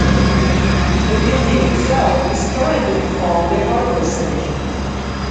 The building itself is currently called the Harbour Centre.